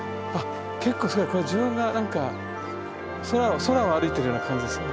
これ自分が何か空を空を歩いてるような感じですね。